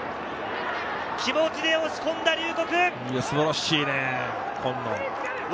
気持ちで押し込んだ龍谷！